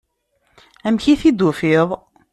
Amek i t-id-tufiḍ?